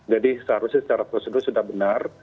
seharusnya secara prosedur sudah benar